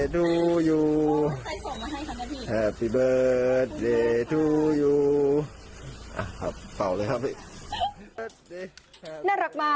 น่ารักมากนี่ค่ะ